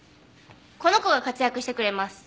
この子が活躍してくれます。